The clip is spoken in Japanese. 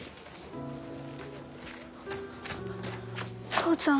父ちゃん？